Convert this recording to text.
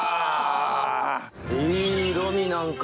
いい色味なんか。